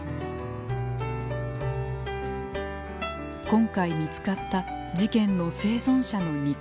今回見つかった事件の生存者の肉声。